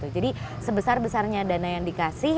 jadi sebesar besarnya dana yang dikasih